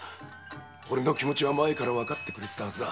おれの気持ちは前からわかっているはずだ。